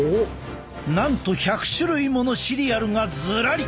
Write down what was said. なんと１００種類ものシリアルがずらり！